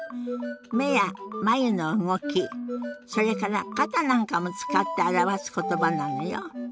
目や眉の動きそれから肩なんかも使って表す言葉なのよ。